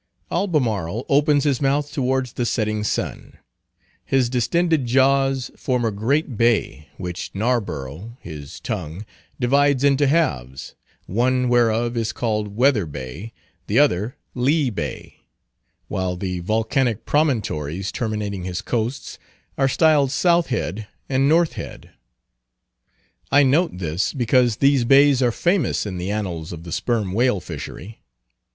Albemarle opens his mouth towards the setting sun. His distended jaws form a great bay, which Narborough, his tongue, divides into halves, one whereof is called Weather Bay, the other Lee Bay; while the volcanic promontories, terminating his coasts, are styled South Head and North Head. I note this, because these bays are famous in the annals of the Sperm Whale Fishery.